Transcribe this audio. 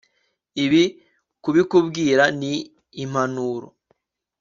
ibi kubikubwira ni impanuro